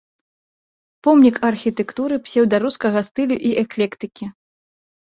Помнік архітэктуры псеўдарускага стылю і эклектыкі.